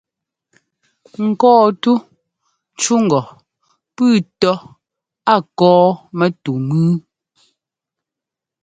Ŋkɔ́ɔtú cú ŋgɔ pʉ́ʉ tɔ́ a kɔ́ɔ mɛtú mʉ́ʉ.